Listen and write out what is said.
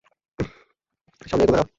সামনে এগুবে না।